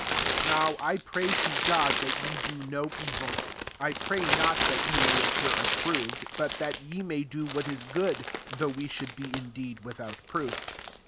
7 Now I pray to God, that ye do no evil ;/ firay not that we may appear approved, but that ye may do what is good, though we should be indeed without proof.